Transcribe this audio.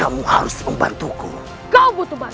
aku masih banyak urusan